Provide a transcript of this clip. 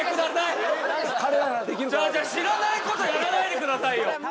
知らないことやらないでくださいよ